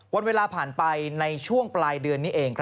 วันเวลาผ่านไปในช่วงปลายเดือนนี้เอง